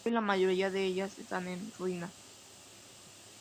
Hoy, la mayoría de ellas están en ruina.